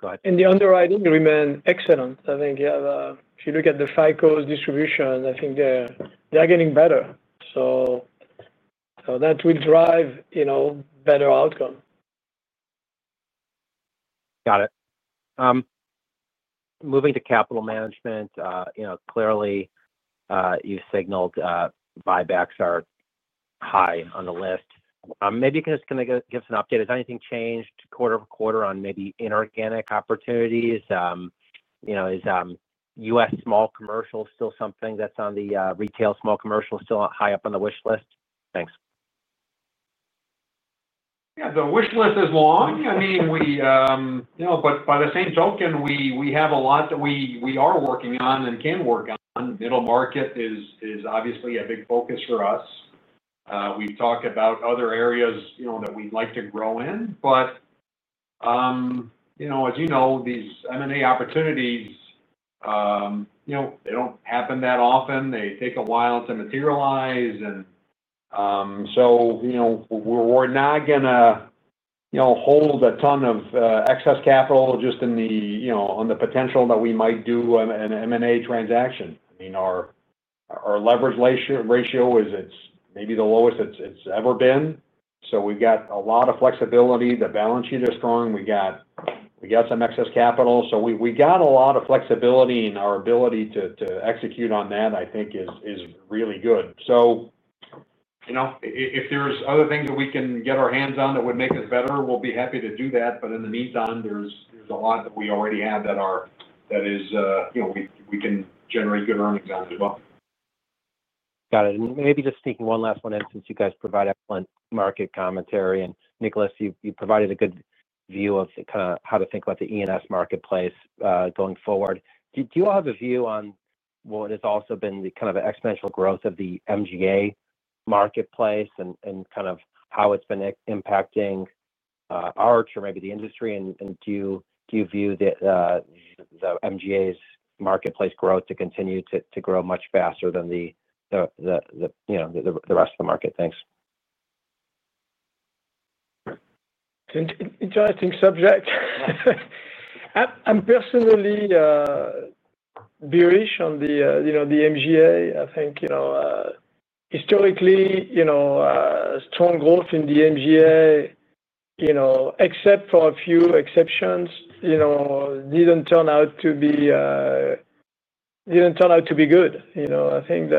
Go ahead. The underwriting will remain excellent. I think if you look at the FICO's distribution, I think they're getting better. That will drive better outcome. Got it. Moving to capital management, clearly, you signaled buybacks are high on the list. Maybe you can just kind of give us an update. Has anything changed quarter over quarter on maybe inorganic opportunities? Is U.S. small commercial still something that's on the retail small commercial still high up on the wish list? Thanks. Yeah, the wish list is long. I mean, we, you know, by the same token, we have a lot that we are working on and can work on. Middle market is obviously a big focus for us. We've talked about other areas that we'd like to grow in. As you know, these M&A opportunities, they don't happen that often. They take a while to materialize. We're not going to hold a ton of excess capital just on the potential that we might do an M&A transaction. I mean, our leverage ratio is maybe the lowest it's ever been. We've got a lot of flexibility. The balance sheet is strong. We got some excess capital. We got a lot of flexibility in our ability to execute on that, I think, is really good. If there's other things that we can get our hands on that would make us better, we'll be happy to do that. In the meantime, there's a lot that we already have that is, you know, we can generate good earnings on as well. Got it. Maybe just taking one last one in since you guys provide excellent market commentary. Nicolas, you provided a good view of kind of how to think about the E&S marketplace going forward. Do you all have a view on what has also been the kind of exponential growth of the MGA marketplace and kind of how it's been impacting Arch or maybe the industry? Do you view the MGA marketplace growth to continue to grow much faster than the rest of the market? Thanks. Interesting subject. I'm personally bearish on the, you know, the MGA. I think, you know, historically, you know, strong growth in the MGA, you know, except for a few exceptions, you know, didn't turn out to be good. I think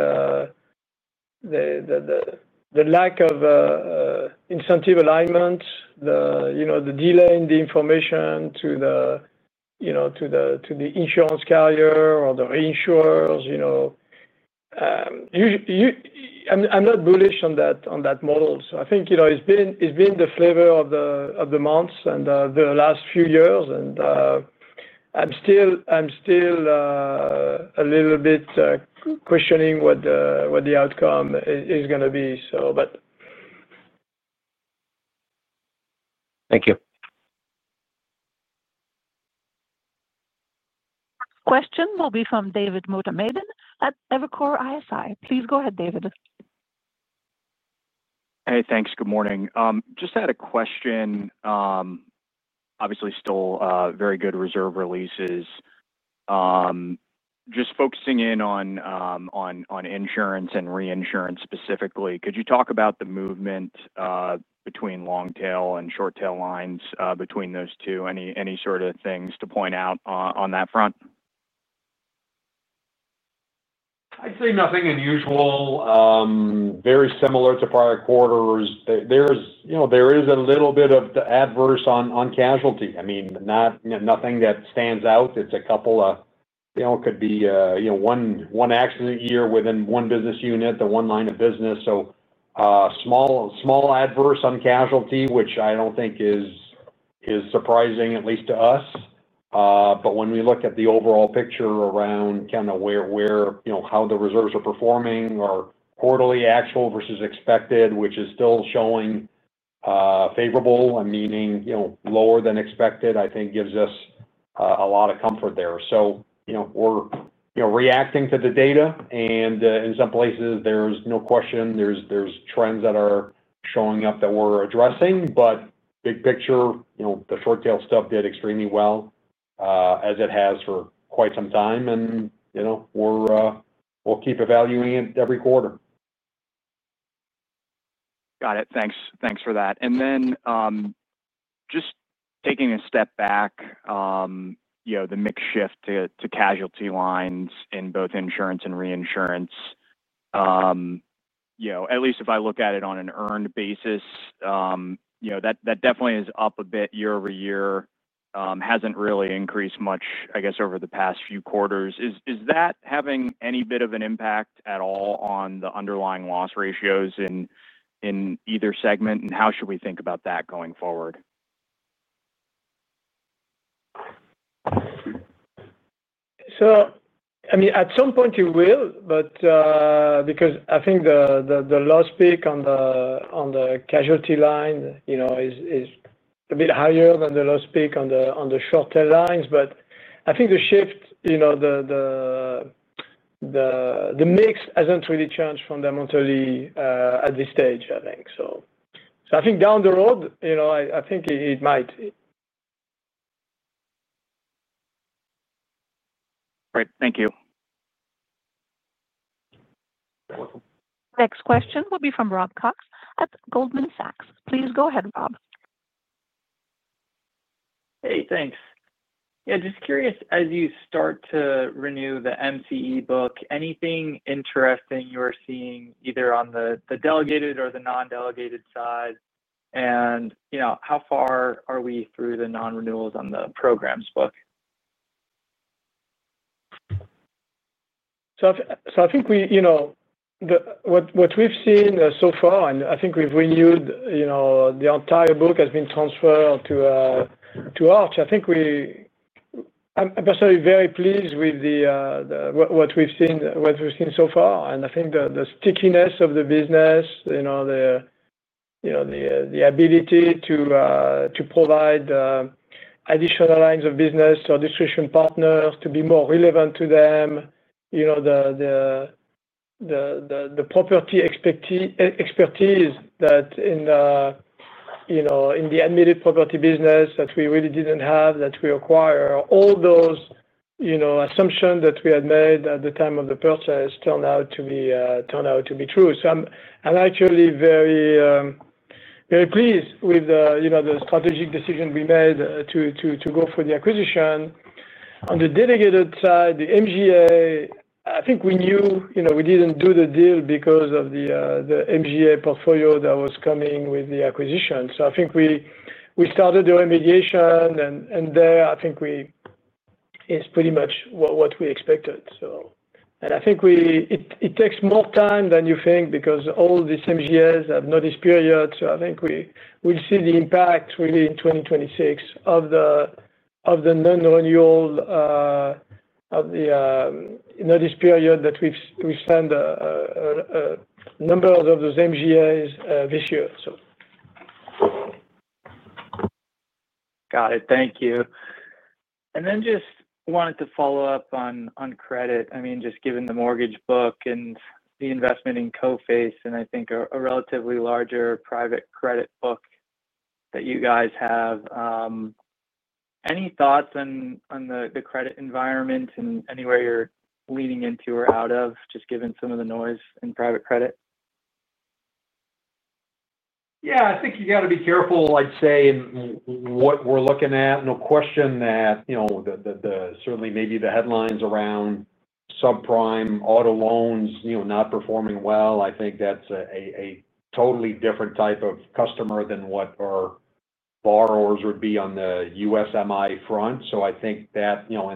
the lack of incentive alignment, the delay in the information to the insurance carrier or the reinsurers, I'm not bullish on that model. I think it's been the flavor of the months in the last few years. I'm still a little bit questioning what the outcome is going to be. Thank you. Next question will be from David Motemaden at Evercore ISI. Please go ahead, David. Hey, thanks. Good morning. Just had a question. Obviously, still very good reserve releases. Just focusing in on insurance and reinsurance specifically, could you talk about the movement between long-tail and short-tail lines between those two? Any sort of things to point out on that front? I'd say nothing unusual. Very similar to prior quarters. There's a little bit of the adverse on casualty. I mean, not nothing that stands out. It's a couple of, you know, it could be one accident year within one business unit or one line of business. So small, small adverse on casualty, which I don't think is surprising, at least to us. When we look at the overall picture around kind of where, you know, how the reserves are performing, our quarterly actual versus expected, which is still showing favorable, meaning lower than expected, I think gives us a lot of comfort there. We're reacting to the data. In some places, there's no question, there's trends that are showing up that we're addressing. Big picture, the short-tail stuff did extremely well, as it has for quite some time. We'll keep evaluating it every quarter. Got it. Thanks. Thanks for that. Just taking a step back, the mix shift to casualty lines in both insurance and reinsurance, at least if I look at it on an earned basis, that definitely is up a bit year over year. It hasn't really increased much, I guess, over the past few quarters. Is that having any bit of an impact at all on the underlying loss ratios in either segment? How should we think about that going forward? At some point, it will, because I think the loss peak on the casualty line is a bit higher than the loss peak on the short-tail lines. I think the shift, the mix hasn't really changed fundamentally at this stage. I think down the road, it might. Great. Thank you. Next question will be from Rob Cox at Goldman Sachs. Please go ahead, Rob. Hey, thanks. Yeah, just curious, as you start to renew the MCE book, anything interesting you are seeing either on the delegated or the non-delegated side? You know, how far are we through the non-renewals on the programs book? I think what we've seen so far, and I think we've renewed, the entire book has been transferred to Arch. I'm personally very pleased with what we've seen so far. I think the stickiness of the business, the ability to provide additional lines of business to our distribution partners to be more relevant to them, the property expertise in the admitted property business that we really didn't have that we acquire—all those assumptions that we had made at the time of the purchase turned out to be true. I'm actually very pleased with the strategic decision we made to go for the acquisition. On the delegated side, the MGA, I think we knew we didn't do the deal because of the MGA portfolio that was coming with the acquisition. I think we started the remediation, and there, I think it's pretty much what we expected. It takes more time than you think because all these MGAs have not experienced. I think we'll see the impact really in 2026 of the non-renewal of the notice period that we've sent a number of those MGAs this year. Got it. Thank you. I just wanted to follow up on credit. I mean, just given the mortgage book and the investment in Coface and I think a relatively larger private credit book that you guys have, any thoughts on the credit environment and anywhere you're leaning into or out of, just given some of the noise in private credit? Yeah, I think you got to be careful, I'd say, in what we're looking at. No question that, you know, certainly maybe the headlines around subprime auto loans, you know, not performing well. I think that's a totally different type of customer than what our borrowers would be on the USMI front. I think that, you know,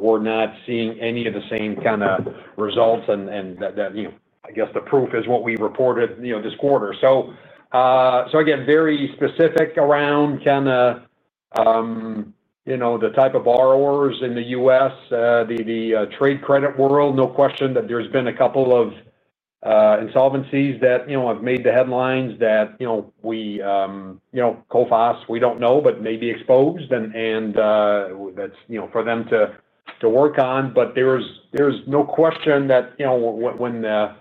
we're not seeing any of the same kind of results. I guess the proof is what we reported, you know, this quarter. Again, very specific around the type of borrowers in the U.S., the trade credit world. No question that there's been a couple of insolvencies that have made the headlines that, you know, Coface, we don't know, but may be exposed. That's for them to work on. There's no question that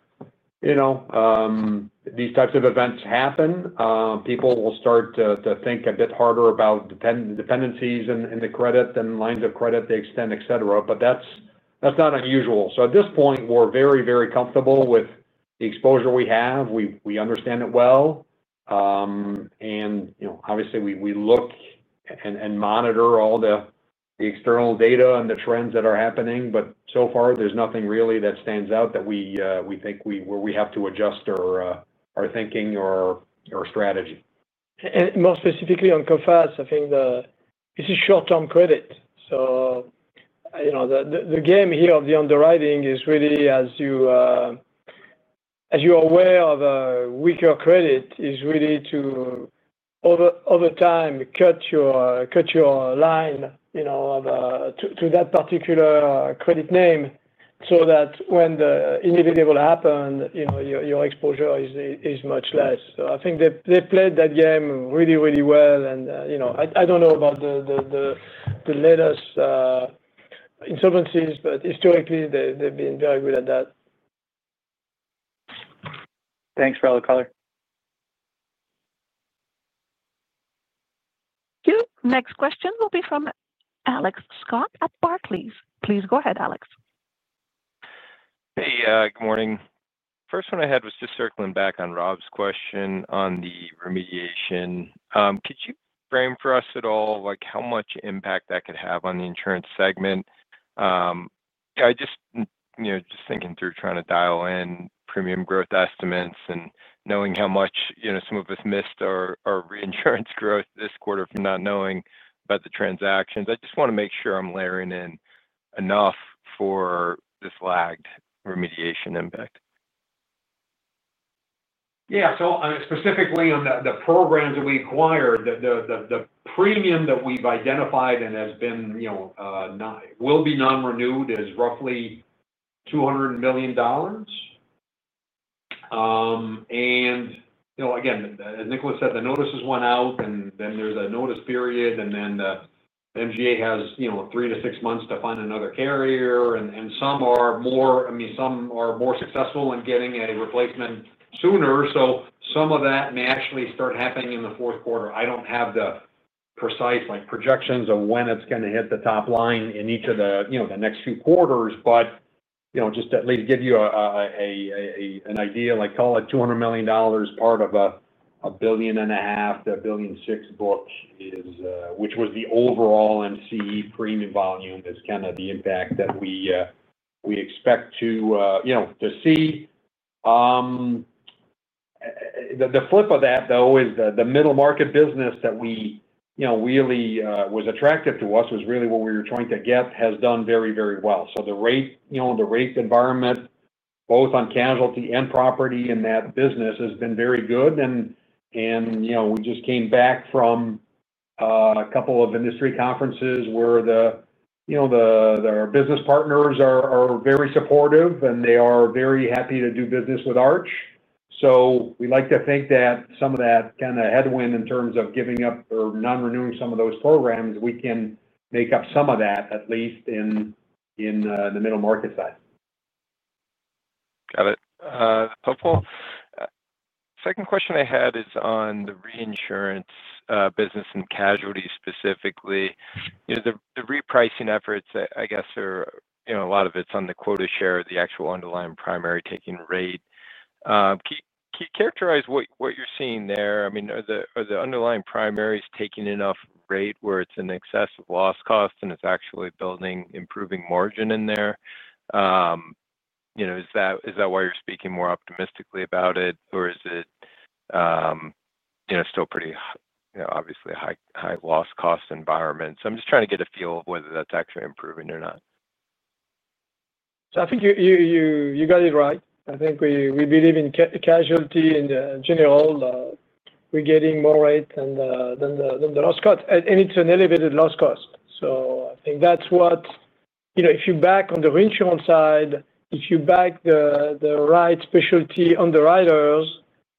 when these types of events happen, people will start to think a bit harder about dependencies in the credit and lines of credit they extend, etc. That's not unusual. At this point, we're very, very comfortable with the exposure we have. We understand it well. Obviously, we look and monitor all the external data and the trends that are happening. So far, there's nothing really that stands out that we think we have to adjust our thinking or our strategy. More specifically on Coface, I think this is short-term credit. The game here of the underwriting is really, as you're aware of, a weaker credit is really to over time cut your line to that particular credit name so that when the inevitable happens, your exposure is much less. I think they played that game really, really well. I don't know about the latest insolvencies, but historically, they've been very good at that. Thanks for all the color. Next question will be from Alex Scott at Barclays. Please go ahead, Alex. Hey, good morning. First one I had was just circling back on Rob's question on the remediation. Could you frame for us at all how much impact that could have on the insurance segment? Yeah, I just, you know, thinking through trying to dial in premium growth estimates and knowing how much some of us missed our reinsurance growth this quarter from not knowing about the transactions. I just want to make sure I'm layering in enough for this lagged remediation impact. Yeah, so specifically on the programs that we acquired, the premium that we've identified and has been, you know, not will be non-renewed is roughly $200 million. Again, as Nicolas said, the notices went out and then there's a notice period and then the MGA has, you know, three to six months to find another carrier. Some are more successful in getting a replacement sooner. Some of that may actually start happening in the fourth quarter. I don't have the precise projections of when it's going to hit the top line in each of the next few quarters. Just at least to give you an idea, call it $200 million part of a billion and a half to a billion six book, which was the overall MCE premium volume, is kind of the impact that we expect to see. The flip of that, though, is the middle market business that we really was attractive to us, was really what we were trying to get, has done very, very well. The rate environment both on casualty and property in that business has been very good. We just came back from a couple of industry conferences where our business partners are very supportive and they are very happy to do business with Arch. We like to think that some of that kind of headwind in terms of giving up or non-renewing some of those programs, we can make up some of that at least in the middle market side. Got it. That's helpful. Second question I had is on the reinsurance business and casualty specifically. The repricing efforts, I guess, are, you know, a lot of it's on the quota share of the actual underlying primary taking rate. Can you characterize what you're seeing there? I mean, are the underlying primaries taking enough rate where it's in excess of loss cost and it's actually building improving margin in there? Is that why you're speaking more optimistically about it, or is it still pretty, you know, obviously a high loss cost environment? I'm just trying to get a feel of whether that's actually improving or not. I think you got it right. We believe in casualty in general. We're getting more rates than the loss cost, and it's an elevated loss cost. That's what, if you back on the reinsurance side, if you back the right specialty underwriters,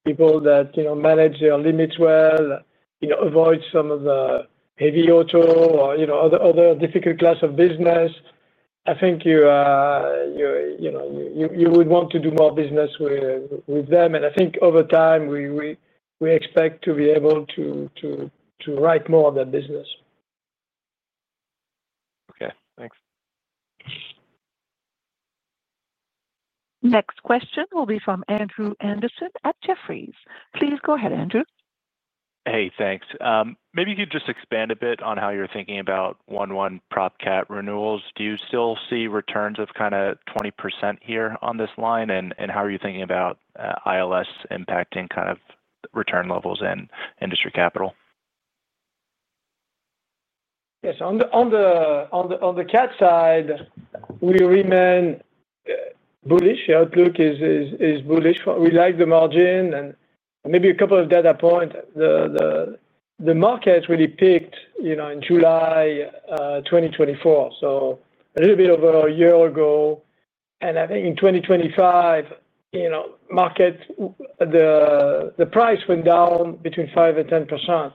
people that manage their limits well and avoid some of the heavy auto or other difficult class of business, you would want to do more business with them. Over time, we expect to be able to write more of that business. Okay, thanks. Next question will be from Andrew Andersen at Jefferies. Please go ahead, Andrew. Hey, thanks. Maybe you could just expand a bit on how you're thinking about 1/1 property cat renewals. Do you still see returns of kind of 20% here on this line? How are you thinking about ILS impacting kind of return levels in industry capital? Yes, on the cat side, we remain bullish. The outlook is bullish. We like the margin and maybe a couple of data points. The market really peaked in July 2024, a little bit over a year ago. I think in 2025, the price went down between 5% and 10%.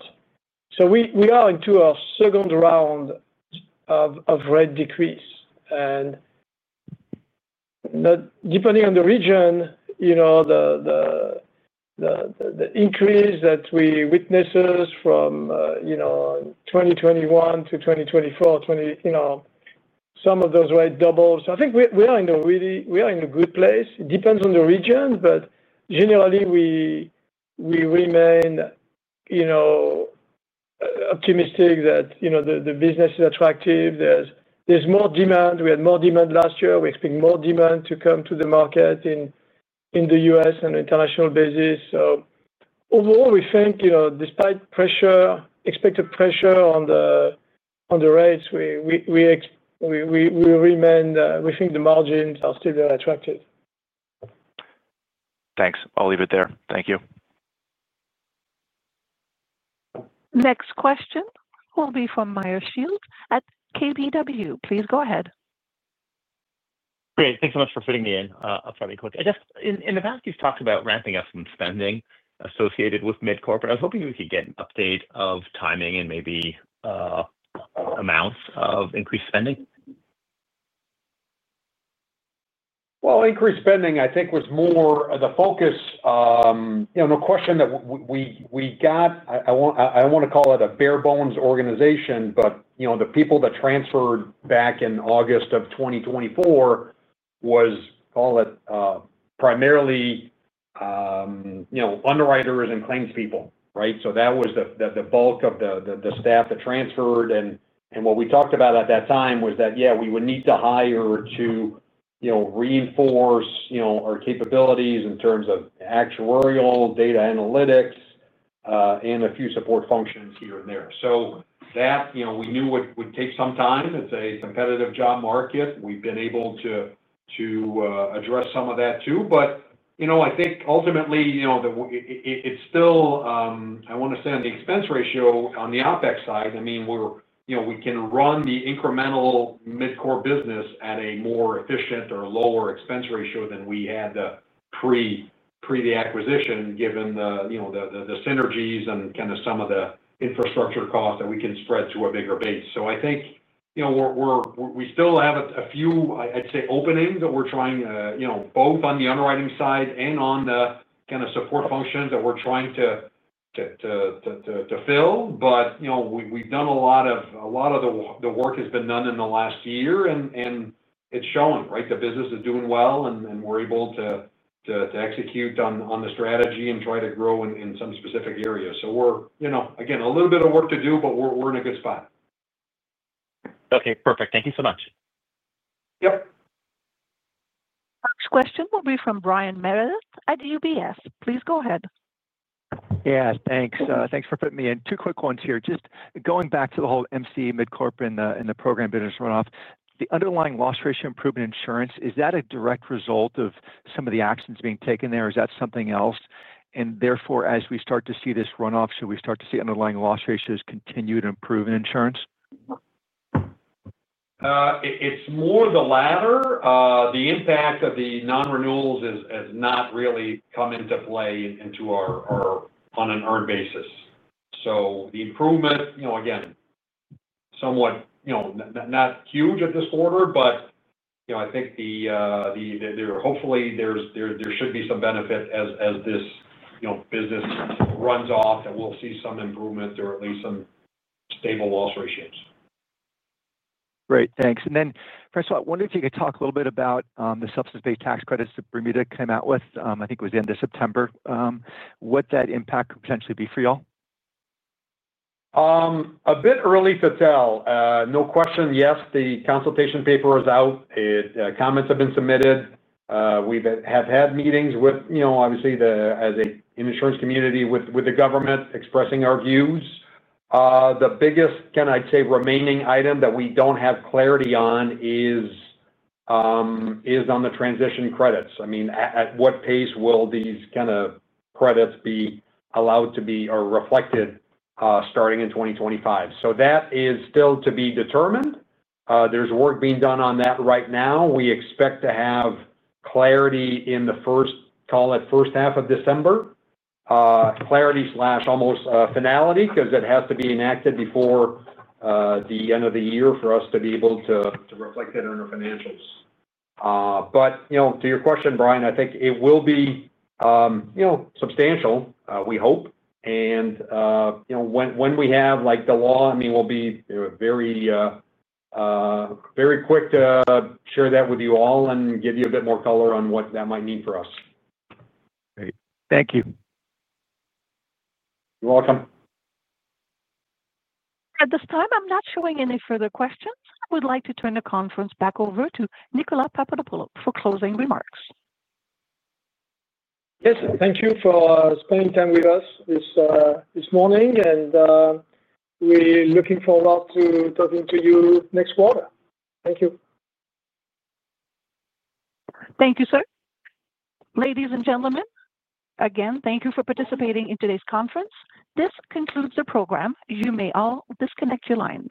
We are into our second round of rate decrease. Depending on the region, the increase that we witnessed from 2021 to 2024, some of those rates doubled. I think we are in a good place. It depends on the region, but generally, we remain optimistic that the business is attractive. There's more demand. We had more demand last year. We expect more demand to come to the market in the U.S. on an international basis. Overall, we think, despite expected pressure on the rates, we think the margins are still very attractive. Thanks. I'll leave it there. Thank you. Next question will be from Meyer Shields at KBW. Please go ahead. Great. Thanks so much for fitting me in. I'll try to be quick. I guess in the past, you've talked about ramping up some spending associated with mid-corp, but I was hoping we could get an update of timing and maybe amounts of increased spending. Increased spending, I think, was more the focus. No question that we got, I don't want to call it a bare-bones organization, but the people that transferred back in August of 2024 was, call it, primarily underwriters and claims people, right? That was the bulk of the staff that transferred. What we talked about at that time was that, yeah, we would need to hire to reinforce our capabilities in terms of actuarial, data analytics, and a few support functions here and there. We knew it would take some time. It's a competitive job market. We've been able to address some of that too. I think ultimately, it's still, I want to say, on the expense ratio on the OpEx side, I mean, we can run the incremental mid-corp business at a more efficient or lower expense ratio than we had pre-acquisition, given the synergies and kind of some of the infrastructure costs that we can spread to a bigger base. I think we still have a few, I'd say, openings that we're trying, both on the underwriting side and on the kind of support functions that we're trying to fill. We've done a lot of, a lot of the work has been done in the last year, and it's showing, right? The business is doing well, and we're able to execute on the strategy and try to grow in some specific areas. We're, again, a little bit of work to do, but we're in a good spot. Okay, perfect. Thank you so much. Yep. Next question will be from Brian Meredith at UBS. Please go ahead. Yeah, thanks. Thanks for putting me in. Two quick ones here. Just going back to the whole MC mid-corp and the program business runoff, the underlying loss ratio improvement in insurance, is that a direct result of some of the actions being taken there, or is that something else? Therefore, as we start to see this runoff, should we start to see underlying loss ratios continue to improve in insurance? It's more the latter. The impact of the non-renewables has not really come into play on an earned basis. The improvement, again, not huge this quarter, but I think there should be some benefit as this business runs off that we'll see some improvement or at least some stable loss ratios. Great. Thanks. Francois, I wonder if you could talk a little bit about the substance-based tax credits that Bermuda came out with. I think it was the end of September. What that impact could potentially be for y'all? A bit early to tell. No question, yes, the consultation paper is out. Comments have been submitted. We've had meetings with, you know, obviously, as an insurance community with the government expressing our views. The biggest, can I say, remaining item that we don't have clarity on is on the transition credits. I mean, at what pace will these kind of credits be allowed to be or reflected, starting in 2025? That is still to be determined. There's work being done on that right now. We expect to have clarity in the first, call it, first half of December. Clarity slash almost finality because it has to be enacted before the end of the year for us to be able to reflect it on our financials. You know, to your question, Brian, I think it will be substantial, we hope. You know, when we have, like, the law, I mean, we'll be very, very quick to share that with you all and give you a bit more color on what that might mean for us. Great. Thank you. You're welcome. At this time, I'm not showing any further questions. I would like to turn the conference back over to Nicolas Papadopoulo for closing remarks. Yes. Thank you for spending time with us this morning. We're looking forward to talking to you next quarter. Thank you. Thank you, sir. Ladies and gentlemen, again, thank you for participating in today's conference. This concludes the program. You may all disconnect your lines.